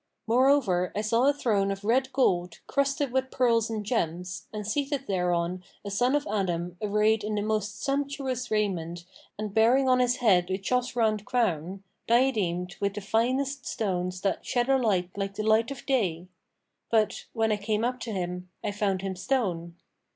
Moreover, I saw a throne of red gold, crusted with pearls and gems, and seated thereon a son of Adam arrayed in the most sumptuous raiment and bearing on his head a Chosrцan[FN#506] crown, diademed with the finest stones that shed a light like the light of day; but, when I came up to him, I found him stone.